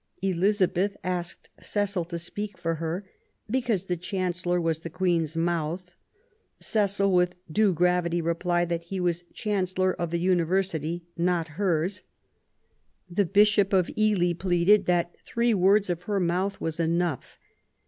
Elizabeth asked Cecil to speak for her, " because the Chancellor was the Queen's mouth ". Cecil, with due gravity, replied that he was Chan cellor of the University, not hers ". The Bishop of Ely pleaded that " three words of her mouth were enough